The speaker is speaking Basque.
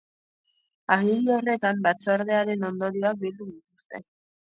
Agiri horretan batzordearen ondorioak bildu dituzte.